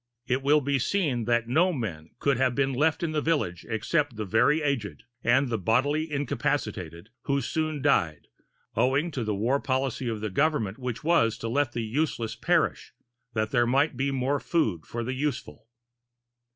It will be seen that no men could have been left in the village except the very aged, and the bodily incapacitated, who soon died, owing to the war policy of the Government which was to let the useless perish that there might be more food for the useful.